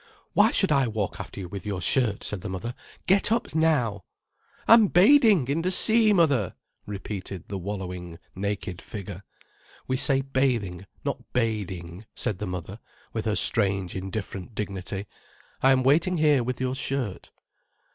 "Why should I walk after you with your shirt?" said the mother. "Get up now." "I'm bading in the sea, mother," repeated the wallowing, naked figure. "We say bathing, not bading," said the mother, with her strange, indifferent dignity. "I am waiting here with your shirt."